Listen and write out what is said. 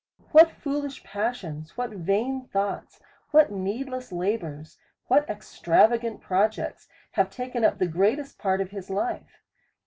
What foolish passions, what vain thoughts, what need less labours, what extravagant projects, have taken up the greatest part of his life.